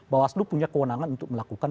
bawah seluruh punya kewenangan untuk melakukan